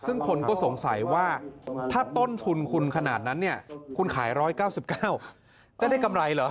ซึ่งคนก็สงสัยว่าถ้าต้นทุนคุณขนาดนั้นเนี่ยคุณขาย๑๙๙จะได้กำไรเหรอ